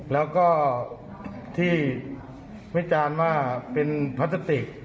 แล้วก็ที่วิจารณ์ว่าเป็นพลาสติก